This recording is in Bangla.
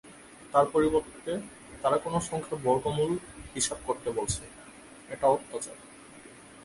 তার পরিবর্তে তাঁরা কোনো সংখ্যার বর্গমূল হিসাব করতে বলছে, এটা অত্যাচার।